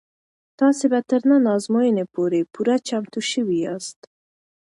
تاسې به تر ازموینې پورې پوره چمتو شوي یاست.